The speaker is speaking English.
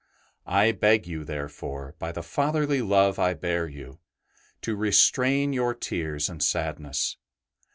I beg you, therefore, by the fatherly love I bear you, to restrain your tears and sadness.